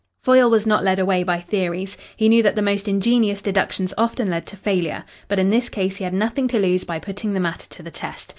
Foyle was not led away by theories. He knew that the most ingenious deductions often led to failure. But in this case he had nothing to lose by putting the matter to the test.